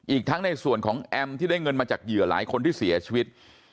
อีกทั้งในส่วนของแอมที่ได้เงินมาจากเหยื่อหลายคนที่เสียชีวิต